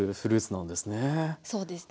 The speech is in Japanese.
そうですね。